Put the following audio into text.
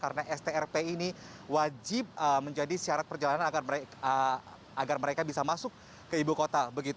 karena strp ini wajib menjadi syarat perjalanan agar mereka bisa masuk ke ibu kota